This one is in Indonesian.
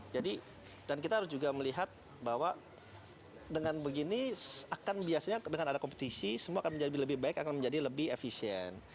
jadi dan kita harus juga melihat bahwa dengan begini akan biasanya dengan ada kompetisi semua akan menjadi lebih baik akan menjadi lebih efisien